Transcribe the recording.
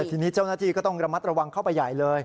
ทีนี้เจ้าหน้าที่ก็ต้องระมัดระวังเข้าไปใหญ่เลย